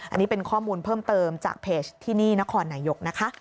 อันนี้เป็นข้อมูลเพิ่มเติมจากเพจที่นี่นครนายกนะคะ